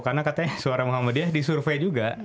karena katanya suara muhammadiyah disurvey juga